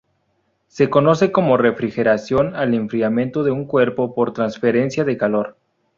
Se conoce como refrigeración al enfriamiento de un cuerpo por transferencia de calor.